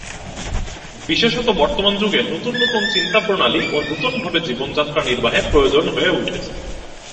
বিশেষত বর্তমান যুগে নূতন নূতন চিন্তাপ্রণালী ও নূতন ভাবে জীবনযাত্রা-নির্বাহের প্রয়োজন হয়ে উঠেছে।